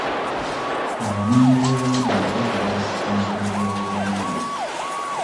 Abanoonyiboobubudamu baasobola okutumbula ebyobuwangwa.